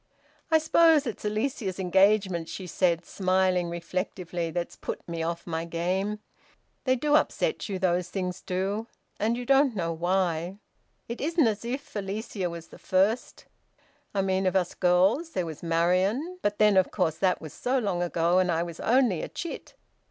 "I suppose it's Alicia's engagement," she said, smiling reflectively, "that's put me off my game. They do upset you, those things do, and you don't know why... It isn't as if Alicia was the first I mean of us girls. There was Marian; but then, of course, that was so long ago, and I was only a chit."